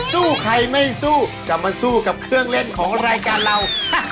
สู้ใครไม่สู้จะมาสู้กับเครื่องเล่นของรายการเรา